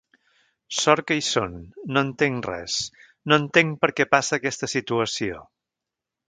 Sort que hi són, no entenc res, no entenc per què passa aquesta situació.